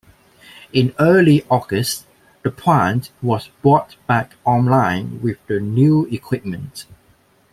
In early August, the plant was brought back online with the new equipment.